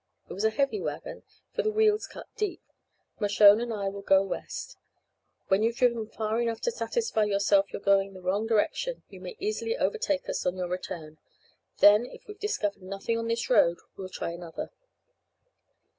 It was a heavy wagon, for the wheels cut deep. Mershone and I will go west. When you've driven far enough to satisfy yourself you're going the wrong direction, you may easily overtake us on your return. Then, if we've discovered nothing on this road, we'll try the other."